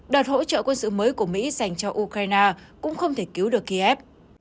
đợt hỗ trợ quân sự mới của mỹ dành cho ukraine cũng không thể cứu được kiev